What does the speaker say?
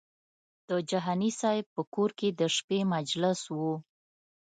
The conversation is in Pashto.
د جهاني صاحب په کور کې د شپې مجلس و.